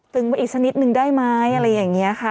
ไว้อีกสักนิดนึงได้ไหมอะไรอย่างนี้ค่ะ